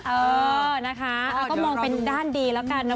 เออนะคะก็มองเป็นด้านดีแล้วกันนะ